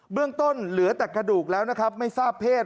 เรื่องต้นเหลือแต่กระดูกแล้วนะครับไม่ทราบเพศ